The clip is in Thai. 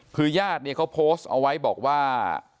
คือญาติเนี่ยเขาโพสต์เอาไว้บอกว่า